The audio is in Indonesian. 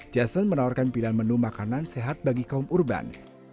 jason menawarkan pilihan menu makanan sehat bagi kaum urban